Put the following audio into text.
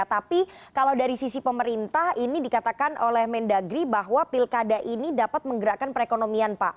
tapi kalau dari sisi pemerintah ini dikatakan oleh mendagri bahwa pilkada ini dapat menggerakkan perekonomian pak